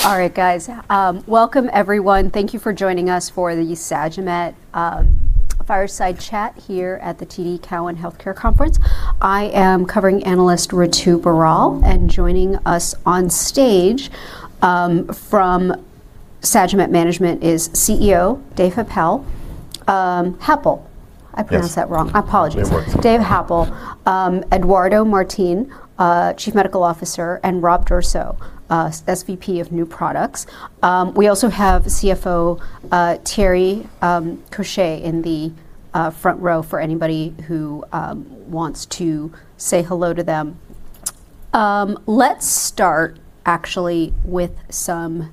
I know. All right, guys. Welcome everyone. Thank you for joining us for the Sagimet Fireside Chat here at the TD Cowen Healthcare Conference. I am covering analyst Ritu Baral, and joining us on stage from Sagimet Management is CEO Dave Happel. Happel. Yes. I pronounced that wrong. I apologize. David Happel. Dave Happel. Eduardo Martins, Chief Medical Officer, and Rob D'Urso, SVP of New Products. We also have CFO, Thierry Chauche in the front row for anybody who wants to say hello to them. Let's start actually with some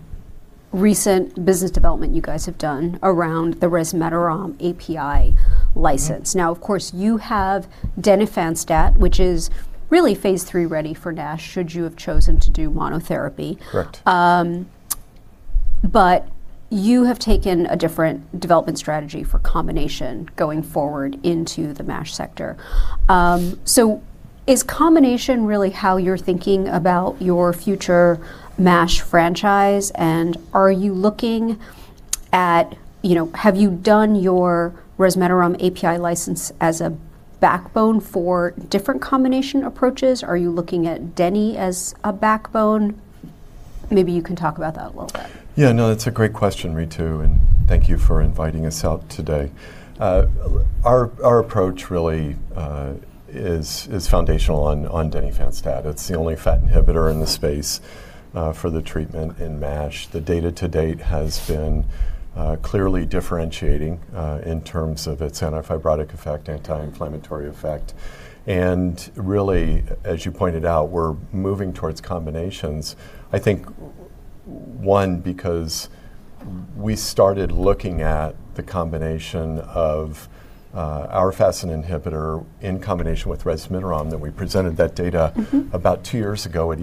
recent business development you guys have done around the resmetirom API license. Mm-hmm. Of course, you have denifanstat, which is really phase III ready for NASH should you have chosen to do monotherapy. Correct. You have taken a different development strategy for combination going forward into the MASH sector. Is combination really how you're thinking about your future MASH franchise? Are you looking at, you know, have you done your resmetirom API license as a backbone for different combination approaches? Are you looking at deni as a backbone? Maybe you can talk about that a little bit. Yeah, no, that's a great question, Ritu. Thank you for inviting us out today. Our approach really is foundational on denifanstat. It's the only FASN inhibitor in the space for the treatment in MASH. The data to date has been clearly differentiating in terms of its antifibrotic effect, anti-inflammatory effect. Really, as you pointed out, we're moving towards combinations. I think one, because we started looking at the combination of our FASN inhibitor in combination with resmetirom that we presented that data. Mm-hmm About two years ago at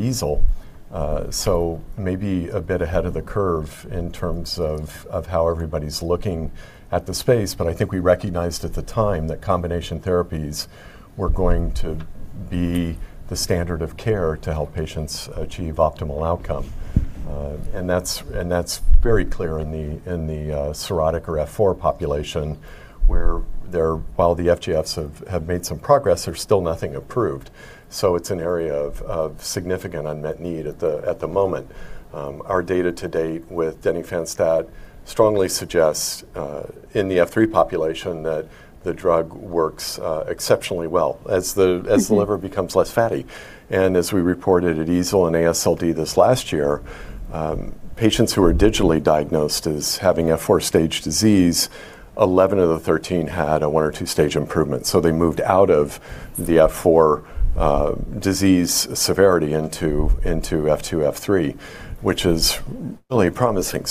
EASL. Maybe a bit ahead of the curve in terms of how everybody's looking at the space, but I think we recognized at the time that combination therapies were going to be the standard of care to help patients achieve optimal outcome. That's very clear in the cirrhotic or F4 population. While the FGFs have made some progress, there's still nothing approved. It's an area of significant unmet need at the moment. Our data to date with denifanstat strongly suggests in the F3 population that the drug works exceptionally well. Mm-hmm as the liver becomes less fatty. As we reported at EASL and AASLD this last year, patients who are digitally diagnosed as having F4 stage disease, 11 of the 13 had a one or two-stage improvement, they moved out of the F4, disease severity into F2, F3, which is really promising.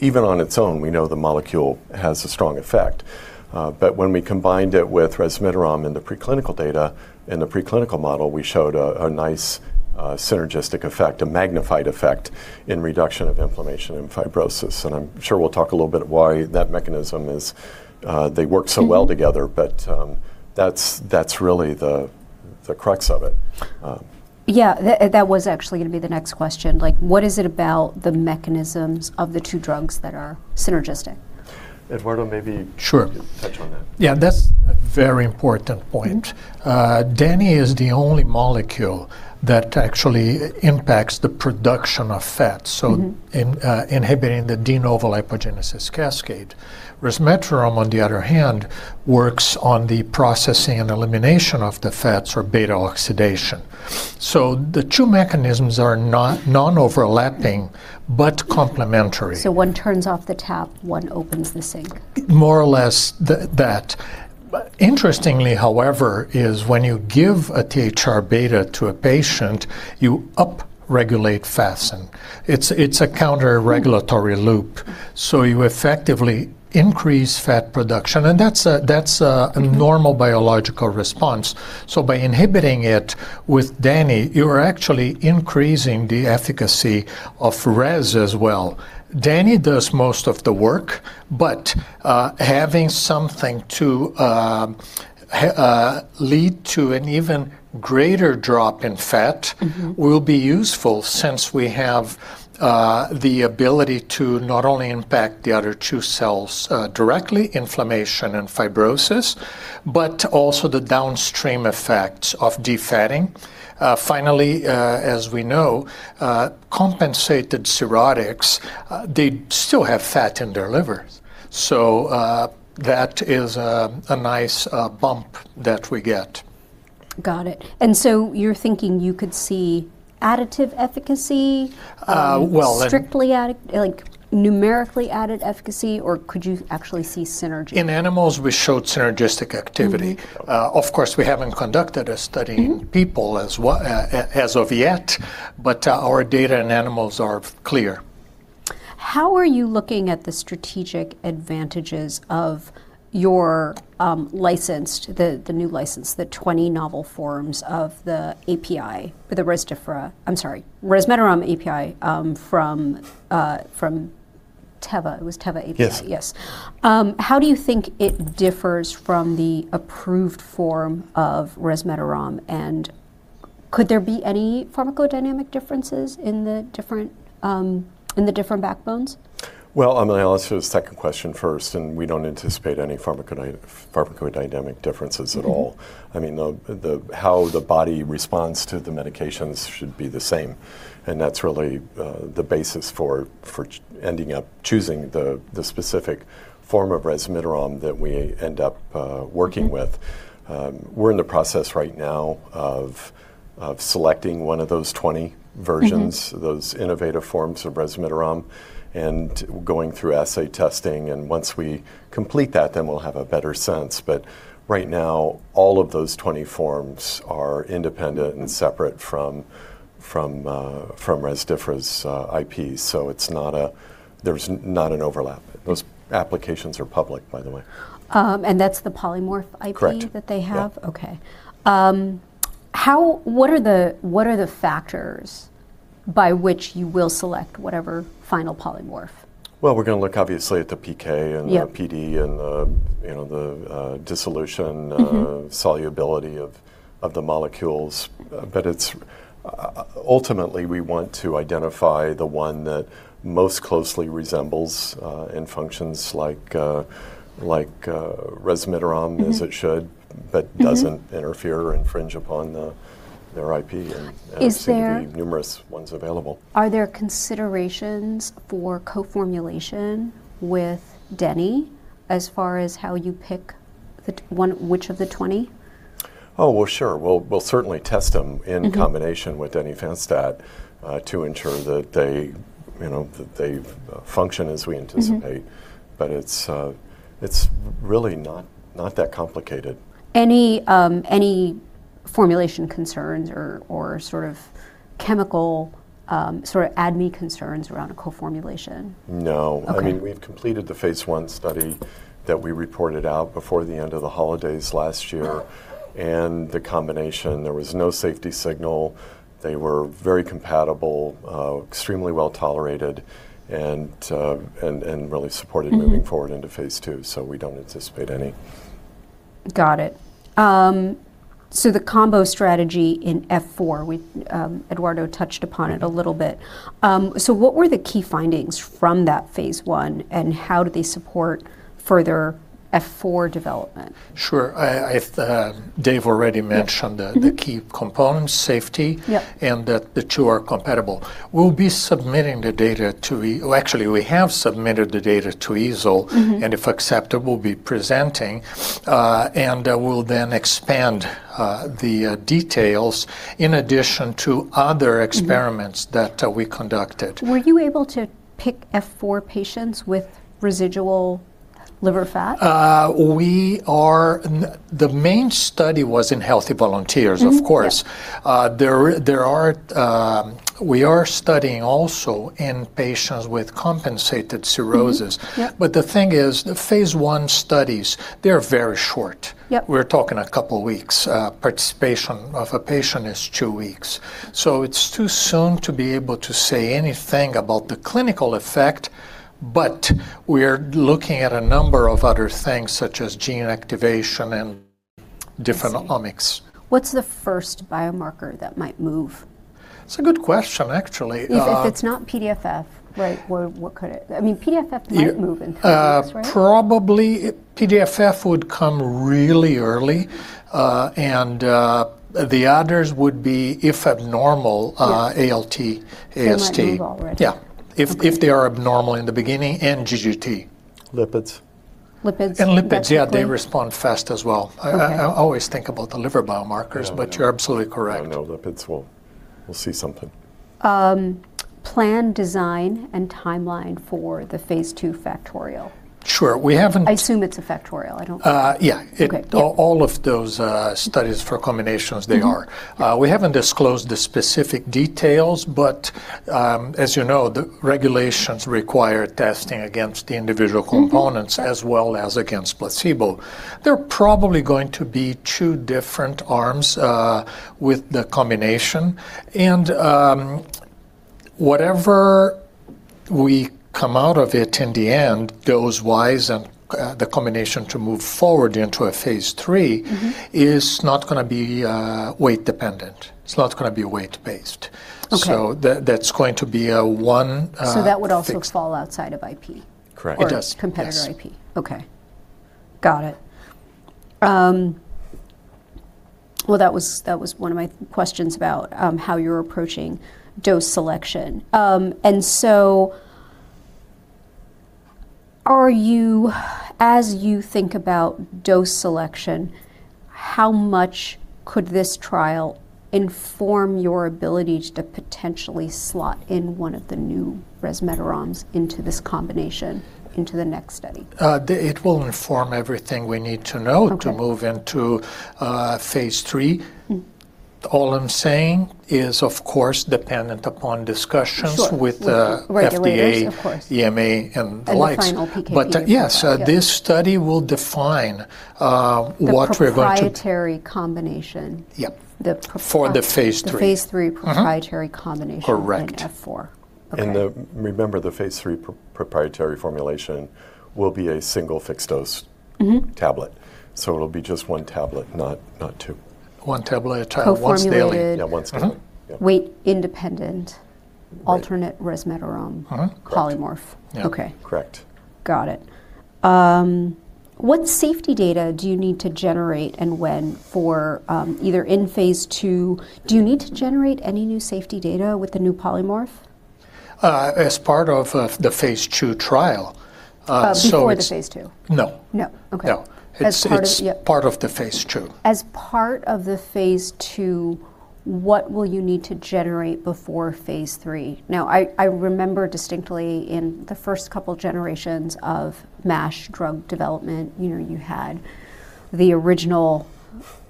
Even on its own, we know the molecule has a strong effect. When we combined it with resmetirom in the preclinical data, in the preclinical model, we showed a nice synergistic effect, a magnified effect in reduction of inflammation and fibrosis. I'm sure we'll talk a little bit why that mechanism is, they work so well- Mm-hmm... together. that's really the crux of it. Yeah. That was actually gonna be the next question. Like, what is it about the mechanisms of the two drugs that are synergistic? Eduardo. Sure... you could touch on that. That's a very important point. Deni is the only molecule that actually impacts the production of fat. Mm-hmm. In inhibiting the de novo lipogenesis cascade. Resmetirom, on the other hand, works on the processing and elimination of the fats or beta oxidation. The two mechanisms are not non-overlapping, but complementary. One turns off the tap, one opens the sink. More or less that. Interestingly, however, is when you give a THR-β to a patient, you up-regulate FASN. It's a counter-regulatory loop. Mm-hmm. You effectively increase fat production, and that's a normal biological response. By inhibiting it with deni, you are actually increasing the efficacy of Res as well. Deni does most of the work, having something to lead to an even greater drop in fat. Mm-hmm... will be useful since we have, the ability to not only impact the other two cells, directly, inflammation and fibrosis, but also the downstream effects of defatting. Finally, as we know, compensated cirrhotics, they still have fat in their liver. That is, a nice, bump that we get. Got it. you're thinking you could see additive efficacy? well, let me- Strictly added, like numerically added efficacy, or could you actually see synergy? In animals, we showed synergistic activity. Mm-hmm. Of course, we haven't conducted a study. Mm-hmm... in people as of yet, but our data in animals are clear. How are you looking at the strategic advantages of your, license, the new license, the 20 novel forms of the API for the Rezdiffra... I'm sorry, resmetirom API, from Teva. It was Teva API? Yes. Yes. How do you think it differs from the approved form of resmetirom, and could there be any pharmacodynamic differences in the different, in the different backbones? Well, Amelia, I'll answer the second question first, and we don't anticipate any pharmacodynamic differences at all. Mm-hmm. I mean, the how the body responds to the medications should be the same. That's really the basis for choosing the specific form of resmetirom that we end up working with. Mm-hmm. We're in the process right now of selecting one of those 20 versions. Mm-hmm... those innovative forms of resmetirom and going through assay testing, and once we complete that, then we'll have a better sense. Right now, all of those 20 forms are independent and separate from Rezdiffra's IP. There's not an overlap. Those applications are public, by the way. That's the polymorph IP. Correct that they have? Yeah. Okay. What are the factors by which you will select whatever final polymorph? Well, we're gonna look obviously at the PK. Yeah... the PD and the, you know, the. Mm-hmm... solubility of the molecules. It's... Ultimately, we want to identify the one that most closely resembles, and functions like, resmetirom- Mm-hmm as it should. Mm-hmm doesn't interfere or infringe upon their IP. Is there-... and I see the numerous ones available. Are there considerations for co-formulation with deni as far as how you pick which of the 20? Oh, well, sure. We'll certainly test them. Mm-hmm... combination with denifanstat, to ensure that they, you know, that they function as we anticipate. Mm-hmm. It's really not that complicated. Any, any formulation concerns or sort of chemical, sort of ADME concerns around a co-formulation? No. Okay. I mean, we've completed the phase I study that we reported out before the end of the holidays last year. Oh. The combination, there was no safety signal. They were very compatible, extremely well-tolerated and really supported. Mm-hmm... moving forward into phase II, so we don't anticipate any. Got it. The combo strategy in F4, we, Eduardo touched upon it a little bit. What were the key findings from that phase I, and how do they support further F4 development? Sure. I Dave already mentioned. Yeah. Mm-hmm.... the key components, safety- Yeah... and that the two are compatible. We'll be submitting the data to... Well, actually, we have submitted the data to EASL. Mm-hmm. If accepted, we'll be presenting, and, we'll then expand, the, details in addition to other experiments- Mm-hmm... that we conducted. Were you able to pick F4 patients with residual liver fat? The main study was in healthy volunteers. Mm-hmm... of course. Yeah. We are studying also in patients with compensated cirrhosis. Mm-hmm. Yeah. The thing is, the phase I studies, they're very short. Yeah. We're talking a couple weeks. Participation of a patient is two weeks. It's too soon to be able to say anything about the clinical effect. We're looking at a number of other things, such as gene activation and different omics. I see. What's the first biomarker that might move? It's a good question, actually. If it's not PDFF, right? I mean, PDFF might move in three days, right? Probably PDFF would come really early. The others would be, if abnormal-. Yeah... ALT, AST. They might move already. Yeah. If they are abnormal in the beginning, and GGT. Lipids. Lipids. That's a big- Lipids. Yeah, they respond fast as well. Okay. I always think about the liver biomarkers. Yeah. Yeah. you're absolutely correct. Yeah. No, lipids will see something. Plan, design, and timeline for the phase II factorial. Sure. I assume it's a factorial. I don't think- Yeah. Okay. Yeah. All of those studies for combinations, they are. Mm-hmm. Yeah. We haven't disclosed the specific details, but, as you know, the regulations require testing against the individual components. Mm-hmm... as well as against placebo. There are probably going to be 2 different arms, with the combination, and, whatever we come out of it in the end goes wise, and, the combination to move forward into a phase III Mm-hmm... is not gonna be weight dependent. It's not gonna be weight based. Okay. That's going to be a one. That would also fall outside of IP. Correct. It does. Competitor IP. Yes. Okay. Got it. That was one of my questions about how you're approaching dose selection. As you think about dose selection, how much could this trial inform your ability to potentially slot in one of the new resmetiroms into this combination, into the next study? It will inform everything we need to know- Okay... to move into, phase III. Mm-hmm. All I'm saying is, of course, dependent upon discussions- Sure... with With the regulators. FDA- Of course.... EMA, and the likes. The final PK, PD. yes. Yeah. This study will define, what we're going to... The proprietary combination. Yep. The pr- For the phase III. The phase III Mm-hmm proprietary combination- Correct... in F4. The, remember the phase III proprietary formulation will be a single fixed dose. Mm-hmm. Tablet. It'll be just one tablet, not two. One tablet at a time. Co-formulated. Once daily. Yeah, once daily. Okay. Weight-independent. Right. Alternate resmetirom. Uh-huh. Correct. Polymorph. Yeah. Okay. Correct. Got it. What safety data do you need to generate and when for, either in phase II? Do you need to generate any new safety data with the new polymorph? as part of the phase II trial. Before the phase II? No. No. Okay. No. Yep. It's part of the phase II. As part of the phase II, what will you need to generate before phase III? I remember distinctly in the first couple generations of MASH drug development, you know, you had the original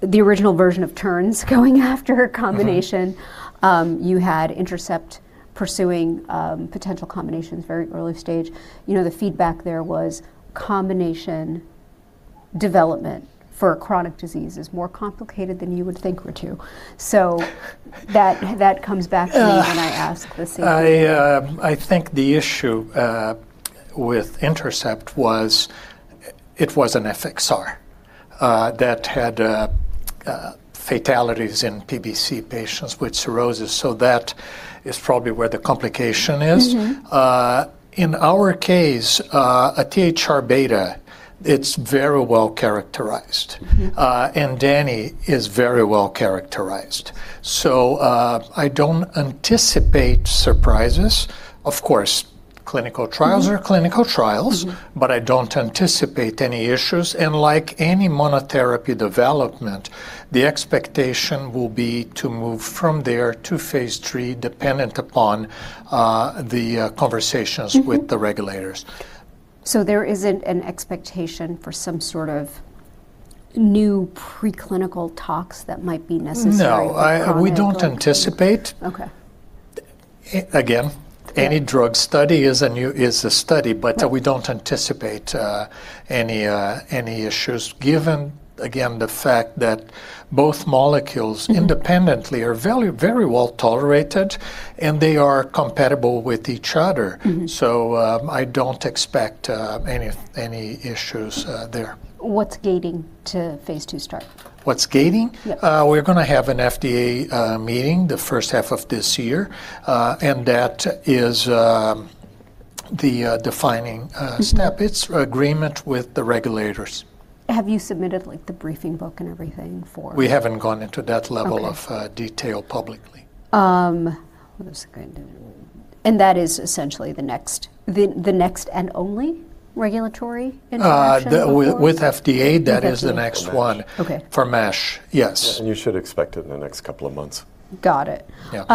version of Terns going after combination. You had Intercept pursuing potential combinations very early stage. You know, the feedback there was combination development for chronic disease is more complicated than you would think or two. That comes back to me when I ask the safety. I think the issue with Intercept was it was an FXR that had fatalities in PBC patients with cirrhosis. That is probably where the complication is. Mm-hmm. In our case, a THR-β, it's very well characterized. Mm-hmm. denifanstat is very well characterized. I don't anticipate surprises. Mm-hmm clinical trials are clinical trials. Mm-hmm. I don't anticipate any issues. Like any monotherapy development, the expectation will be to move from there to phase III dependent upon the conversations. Mm-hmm with the regulators. There isn't an expectation for some sort of new preclinical talks that might be necessary. No. ...for chronic- We don't anticipate. Okay. again, any drug study is a study. Right. We don't anticipate any issues given, again, the fact that both molecules. Mm-hmm... independently are very, very well tolerated, and they are compatible with each other. Mm-hmm. I don't expect any issues there. What's gating to phase II start? What's gating? Yep. We're gonna have an FDA meeting the first half of this year. That is the defining step. It's agreement with the regulators. Have you submitted like the briefing book and everything for-? We haven't gone into that level. Okay... of, detail publicly. That is essentially the next, the next and only regulatory interaction, of course? The with FDA, that is the next one. For MASH. Okay. For MASH, yes. You should expect it in the next couple of months. Got it. Yeah.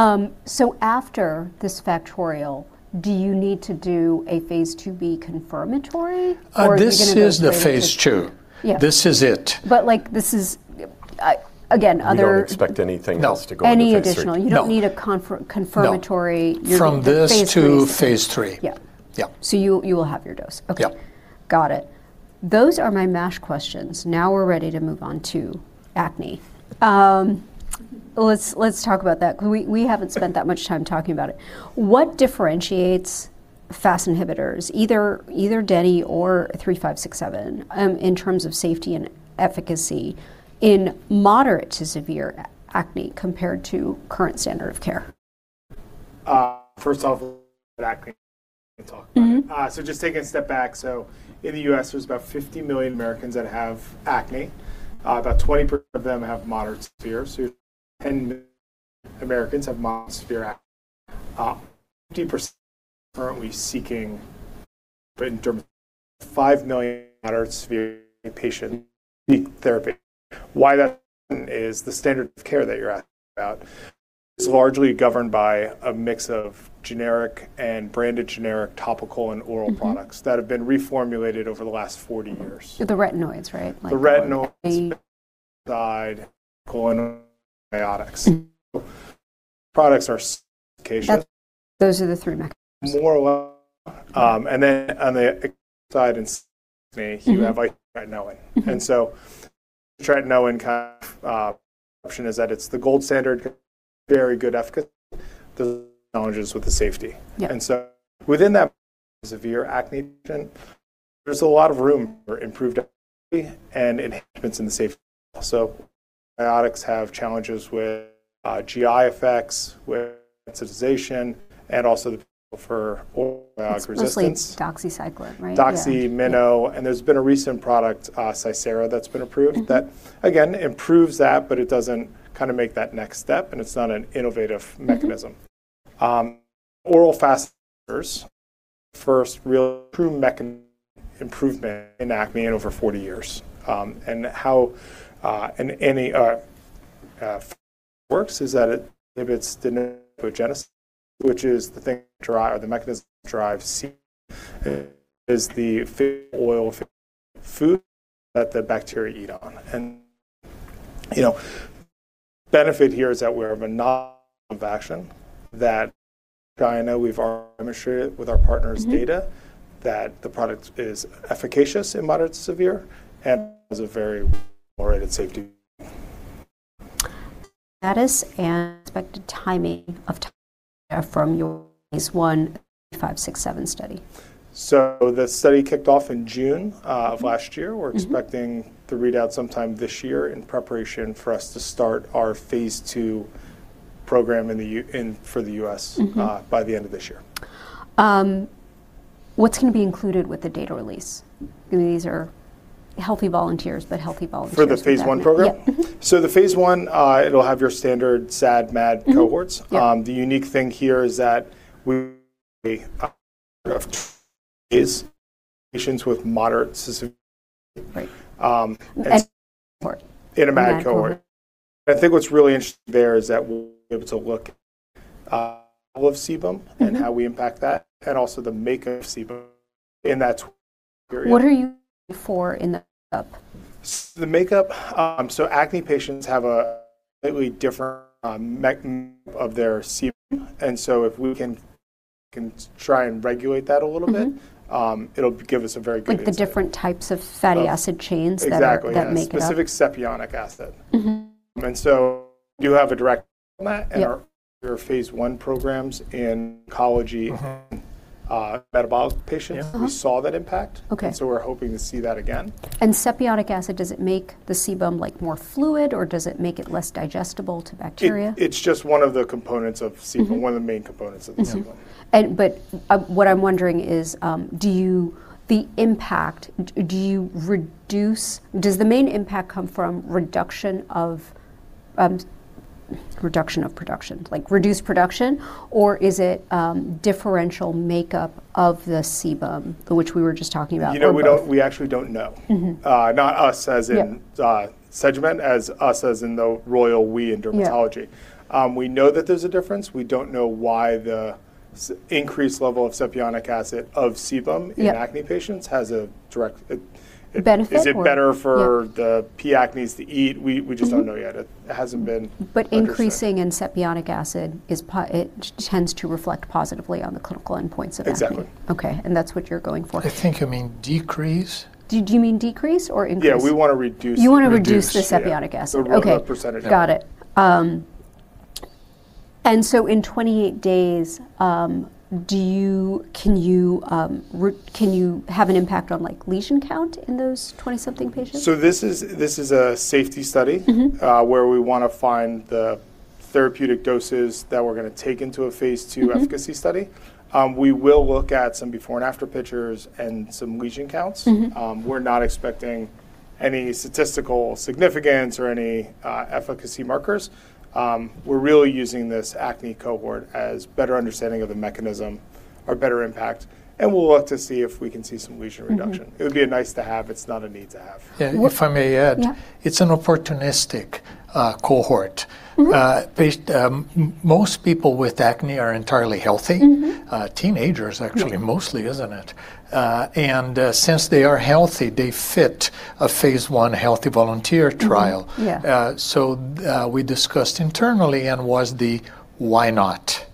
After this factorial, do you need to do a phase IIb confirmatory? This is the phase II. Yeah. This is it. like this is. Again. We don't expect anything else. No... to go into phase III. Any additional? No. You don't need a confirmatory. No. You're gonna do phase III. From this to phase III. Yeah. Yeah. You will have your dose. Okay. Yeah. Got it. Those are my MASH questions. Now we're ready to move on to acne. Let's talk about that. We haven't spent that much time talking about it. What differentiates FAS inhibitors, either deni or 3567, in terms of safety and efficacy in moderate to severe acne compared to current standard of care? First off, acne talk. Mm-hmm. Just taking a step back, in the U.S., there's about 50 million Americans that have acne. About 20% of them have moderate to severe. 10 million Americans have moderate to severe acne. 50% currently seeking... In terms of 5 million moderate to severe patient therapy. Why that is the standard of care that you're asking about is largely governed by a mix of generic and branded generic topical and oral products. Mm-hmm... that have been reformulated over the last 40 years. The retinoids, right? Like- The retinoids. A- Side colon antibiotics. Mm-hmm. Products are occasionally- Those are the three mechanisms. More or less. Then on the side, and you have isotretinoin. Mm-hmm. Tretinoin kind of, option is that it's the gold standard, very good efficacy, the challenges with the safety. Yeah. Within that severe acne patient, there's a lot of room for improved and enhancements in the safety also. Antibiotics have challenges with GI effects, with sensitization, and also the people for resistance. It's mostly doxycycline, right? Yeah. Doxy, Mino, and there's been a recent product, SEYS, that's been approved... Mm-hmm... that again, improves that. It doesn't kinda make that next step. It's not an innovative mechanism. Mm-hmm. Oral first real improvement in acne in over 40 years. How works is that if it's the genesis, which is the thing drive or the mechanism drive C is the oil food that the bacteria eat on. You know, benefit here is that we're a mono of action that I know we've already demonstrated with our partners' data. Mm-hmm... that the product is efficacious in moderate to severe and is a very well-rated safety.... status and expected timing from your phase I, II, V, VI, VII study. The study kicked off in June, of last year. Mm-hmm. We're expecting the readout sometime this year in preparation for us to start our phase II program. Mm-hmm... by the end of this year. What's gonna be included with the data release? These are healthy volunteers. For the phase I program? Yeah. The phase I, it'll have your standard SAD, MAD cohorts. Mm-hmm. Yeah. The unique thing here is that patients with moderate specific-. Right. Um, and- In a MAD cohort. In a MAD cohort. I think what's really interesting there is that we'll be able to look. Mm-hmm and how we impact that, and also the makeup of sebum in that... What are you for in the makeup? The makeup. acne patients have a completely different mech- of their sebum. Mm-hmm. If we can try and regulate that a little bit. Mm-hmm... it'll give us a very good insight. Like the different types of fatty acid chains that are-. Exactly, yeah.... that make it up. Specific Sapienic acid. Mm-hmm. You have a direct on that. Yep. our phase I programs in ecology- Mm-hmm... metabolic patients- Yeah. Mm-hmm. we saw that impact. Okay. We're hoping to see that again. Sapienic acid, does it make the sebum, like, more fluid, or does it make it less digestible to bacteria? It's just one of the components of sebum. Mm-hmm. One of the main components of the sebum. What I'm wondering is, Does the main impact come from reduction of production, like reduced production, or is it, differential makeup of the sebum, which we were just talking about? You know. Both? We actually don't know. Mm-hmm. not us. Yeah... Sagimet, as us, as in the royal we in dermatology. Yeah. We know that there's a difference. We don't know why the increased level of Sapienic acid of sebum. Yep in acne patients has a direct, it. Benefit Is it better for? Yeah... the P. acnes to eat? We just don't know yet. Mm-hmm. It hasn't been understood. It tends to reflect positively on the clinical endpoints of acne. Exactly. Okay, that's what you're going for. I think you mean decrease. Do you mean decrease or increase? Yeah, we wanna You wanna reduce the Sapienic acid. Reduce, yeah. Okay. The raw percentage. Got it. In 28 days, do you, can you have an impact on, like, lesion count in those 20-something patients? This is a safety study. Mm-hmm... where we wanna find the therapeutic doses that we're gonna take into a phase II. Mm-hmm efficacy study. We will look at some before and after pictures and some lesion counts. Mm-hmm. We're not expecting any statistical significance or any efficacy markers. We're really using this acne cohort as better understanding of the mechanism or better impact, and we'll look to see if we can see some lesion reduction. Mm-hmm. It would be a nice to have. It's not a need to have. What- Yeah, if I may add. Yeah. It's an opportunistic, cohort. Mm-hmm. Most people with acne are entirely healthy. Mm-hmm. Teenagers actually. Yeah... mostly, isn't it? Since they are healthy, they fit a phase I healthy volunteer trial. Mm-hmm. Yeah. We discussed internally and was the why not?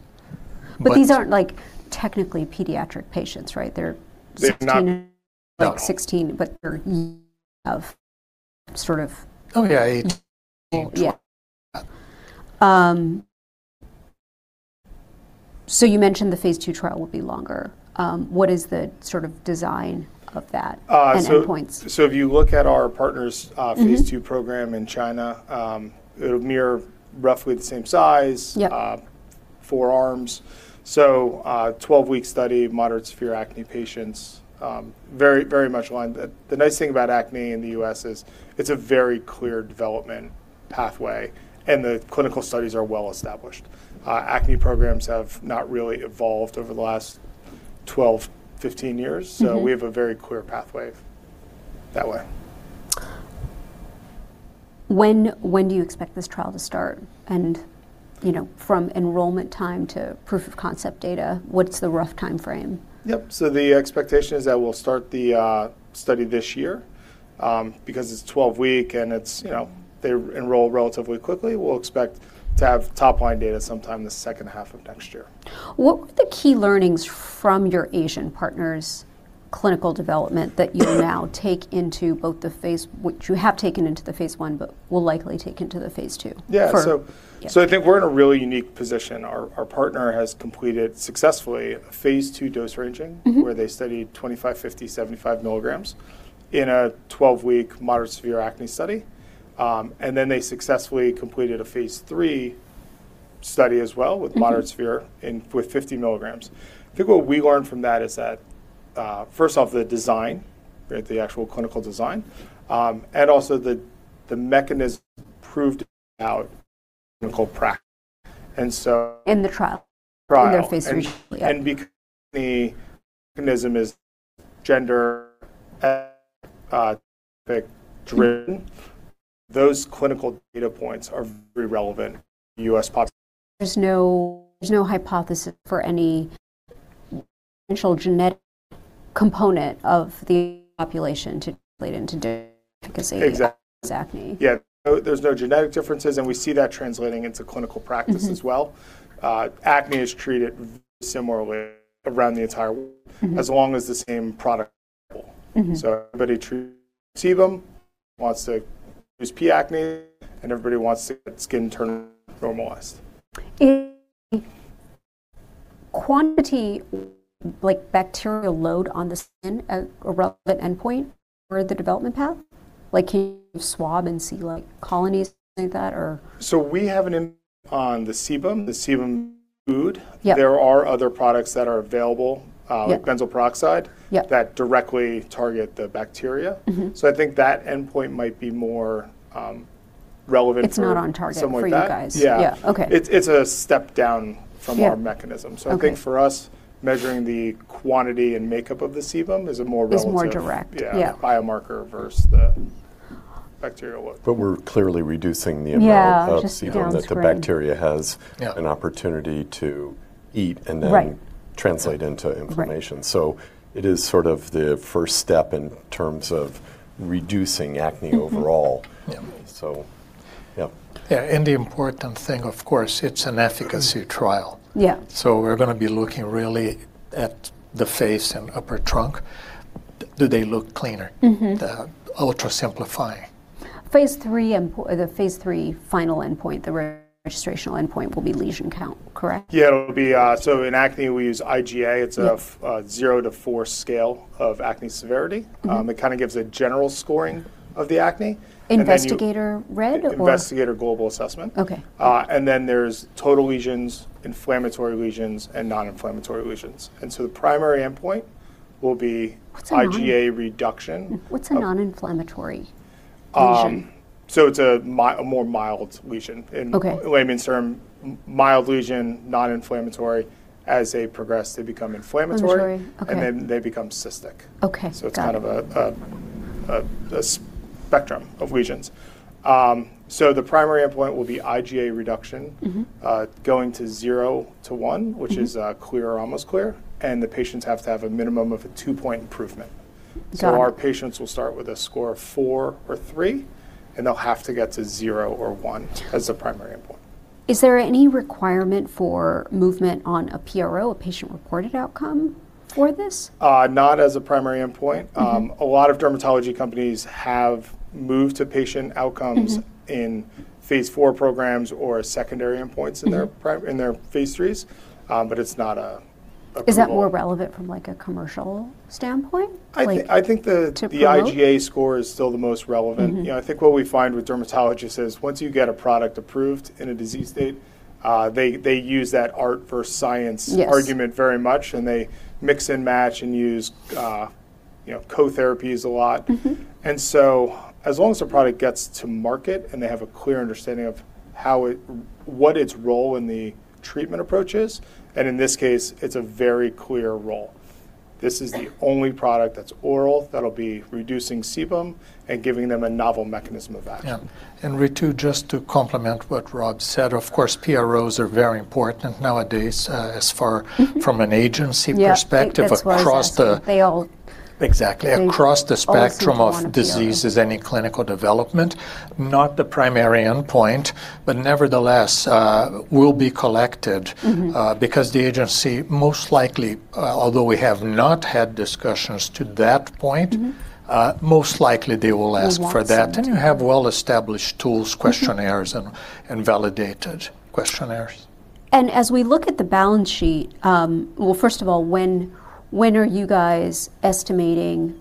These aren't, like, technically pediatric patients, right? They're 16. They're not. No... like 16, but they're of sort of Oh yeah. Yeah. You mentioned the phase II trial will be longer. What is the sort of design of that? Uh, so-... and endpoints? If you look at our partner's. Mm-hmm phase II program in China, it'll mirror roughly the same size. Yep. Four arms. Twelve-week study, moderate severe acne patients, very, very much aligned. The nice thing about acne in the U.S. is it's a very clear development pathway, and the clinical studies are well established. Acne programs have not really evolved over the last 12, 15 years. Mm-hmm. We have a very clear pathway that way. When do you expect this trial to start? you know, from enrollment time to proof of concept data, what's the rough timeframe? Yep. The expectation is that we'll start the study this year, because it's 12-week and it's, you know. Yeah... they enroll relatively quickly. We'll expect to have top line data sometime the second half of next year. What were the key learnings from your Asian partners' clinical development that you now take into which you have taken into the phase I, but will likely take into the phase II for? Yeah, so-. Yeah I think we're in a really unique position. Our partner has completed successfully a phase II dose ranging-. Mm-hmm... where they studied 25 mg, 50 mg, 75 mg in a 12-week moderate severe acne study. They successfully completed a phase III study as well with moderate Mm-hmm In with 50 mg. I think what we learned from that is that, first off, the design, right, the actual clinical design, and also the mechanism proved out clinical practice. In the trial. Trial. In their phase III study, yeah. The mechanism is gender driven. Mm-hmm. Those clinical data points are very relevant U.S. population. There's no hypothesis for any potential genetic component of the population to translate into efficacy- Exactly against acne. Yeah. There's no genetic differences, and we see that translating into clinical practice as well. Mm-hmm. Acne is treated similarly around the entire world. Mm-hmm As long as the same product. Everybody treats sebum, wants to reduce P. acnes, and everybody wants to get skin turn normalized. Is quantity, like, bacterial load on the skin a relevant endpoint for the development path? Like, can you swab and see, like, colonies or something like that? Or... We have an in on the sebum, the sebum food. Yeah. There are other products that are available. Yeah... benzoyl peroxide. Yeah That directly target the bacteria. Mm-hmm. I think that endpoint might be more relevant. It's not on target for you guys. someone like that. Yeah. Yeah. Okay. It's a step down. Yeah... our mechanism. Okay. I think for us, measuring the quantity and makeup of the sebum is a more relevant- Is more direct. yeah, biomarker versus the bacterial load. We're clearly reducing the amount. Yeah... of sebum. Just downstream.... that the bacteria Yeah... an opportunity to eat and then- Right... translate into inflammation. Right. It is sort of the first step in terms of reducing acne overall. Mm-hmm. Yeah. Yeah. Yeah, the important thing, of course, it's an efficacy trial. Yeah. We're gonna be looking really at the face and upper trunk. Do they look cleaner? Mm-hmm. The ultra simplifying. phase III or the phase III final endpoint, the registrational endpoint will be lesion count, correct? Yeah. It'll be. In acne, we use IGA. Yeah. It's a zero-four scale of acne severity. Mm-hmm. It kind of gives a general scoring of the acne. Investigator read. Investigator global assessment. Okay. There's total lesions, inflammatory lesions, and non-inflammatory lesions. The primary endpoint. What's a non-... IGA reduction. What's a non-inflammatory lesion? It's a more mild lesion. Okay. In layman's term, mild lesion, non-inflammatory, as they progress, they become inflammatory. Inflammatory, okay. Then they become cystic. Okay. Got it. It's kind of a spectrum of lesions. The primary endpoint will be IGA reduction. Mm-hmm... going to 0 to 1- Mm-hmm... which is clear or almost clear, and the patients have to have a minimum of a two-point improvement. Got it. Our patients will start with a score of 4 or 3, and they'll have to get to 0 or 1 as a primary endpoint. Is there any requirement for movement on a PRO, a patient-reported outcome for this? Not as a primary endpoint. Mm-hmm. A lot of dermatology companies have moved to patient outcomes. Mm-hmm In phase IV programs or secondary endpoints. Mm-hmm In their phase IIIs. It's not a goal. Is that more relevant from, like, a commercial standpoint? I think. To promote the IGA score is still the most relevant. Mm-hmm. You know, I think what we find with dermatologists is once you get a product approved in a disease state, they use that art versus science- Yes... argument very much, and they mix and match and use, you know, co-therapies a lot. Mm-hmm. As long as the product gets to market and they have a clear understanding of how it... what its role in the treatment approach is, and in this case, it's a very clear role. This is the only product that's oral that'll be reducing sebum and giving them a novel mechanism of action. Yeah. Ritu, just to complement what Rob said, of course, PROs are very important nowadays, from an agency perspective. Yeah. That's what I was asking.... across They all- Exactly. They all seem to want a PRO. Across the spectrum of diseases, any clinical development, not the primary endpoint, but nevertheless, will be collected. Mm-hmm... because the agency most likely, although we have not had discussions to that point. Mm-hmm... most likely they will ask for that. Will want something. You have well-established tools. Mm-hmm... questionnaires and validated questionnaires. As we look at the balance sheet, Well, first of all, when are you guys estimating,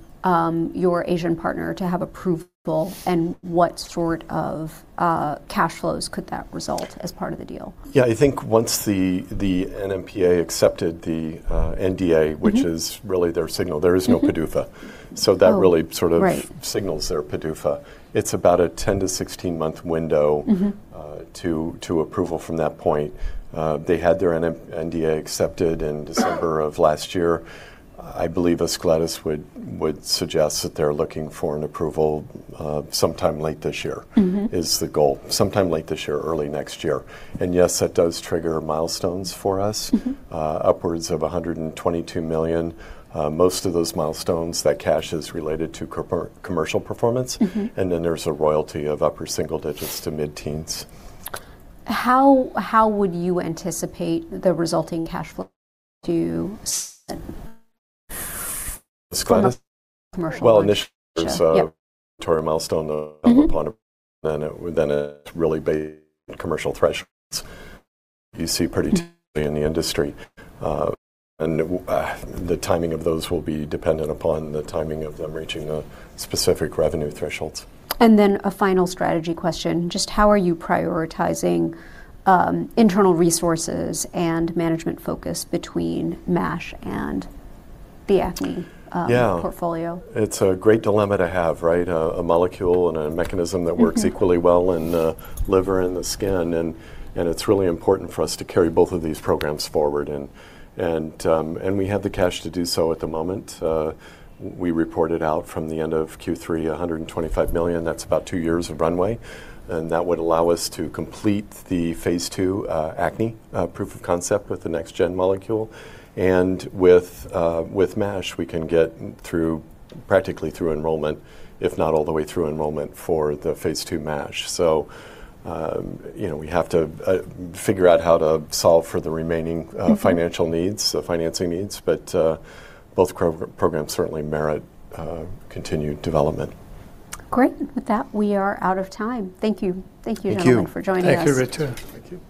your Asian partner to have approval, and what sort of cash flows could that result as part of the deal? Yeah. I think once the NMPA accepted the. Mm-hmm which is really their signal. There is no PDUFA. Oh. that really. Right... signals their PDUFA. It's about a 10-16 month window. Mm-hmm... to approval from that point. They had their NDA accepted in December of last year. I believe Ascletis would suggest that they're looking for an approval sometime late this year. Mm-hmm... is the goal. Sometime late this year, early next year. Yes, that does trigger milestones for us. Mm-hmm. Upwards of $122 million. Most of those milestones, that cash is related to commercial performance. Mm-hmm. There's a royalty of upper single digits to mid-teens. How would you anticipate the resulting cash flow to Ascletis? Commercial Well, initially there's. Yeah... milestone upon approval, then it's really based on commercial thresholds you see pretty typically in the industry. The timing of those will be dependent upon the timing of them reaching the specific revenue thresholds. A final strategy question. Just how are you prioritizing internal resources and management focus between MASH and the acne-. Yeah... portfolio? It's a great dilemma to have, right? A molecule and a mechanism that works equally well in the liver and the skin, and it's really important for us to carry both of these programs forward. We have the cash to do so at the moment. We reported out from the end of Q3, $125 million. That's about two years of runway, and that would allow us to complete the phase II acne proof of concept with the next-gen molecule. With MASH, we can get through, practically through enrollment, if not all the way through enrollment for the phase II MASH. You know, we have to figure out how to solve for the remaining. Mm-hmm financial needs, financing needs, but both programs certainly merit continued development. Great. With that, we are out of time. Thank you. Thank you, gentlemen- Thank you.... for joining us. Thank you, Ritu. Thank you.